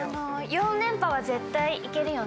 ４連覇は絶対いけるよね。